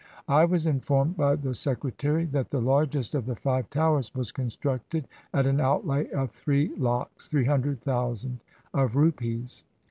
I was informed by the Secretary that the largest of the five Towers was con structed at an outlay of three lakhs (300,000) of rupees.